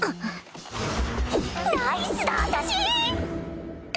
ナイスだ私！